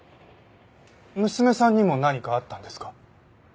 娘さんにも何かあったんですか？